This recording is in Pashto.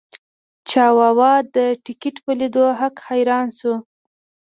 چاواوا د ټکټ په لیدو هک حیران شو.